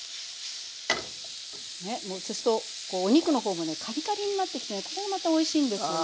ねそうするとお肉の方もねカリカリになってきてねこれもまたおいしいんですよね。